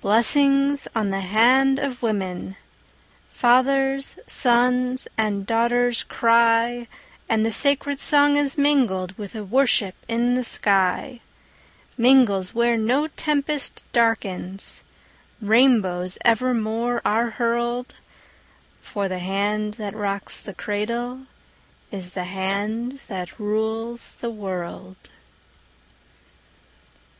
Blessings on the hand of women! Fathers, sons, and daughters cry, And the sacred song is mingled With the worship in the sky Mingles where no tempest darkens, Rainbows evermore are hurled; For the hand that rocks the cradle Is the hand that rules the world.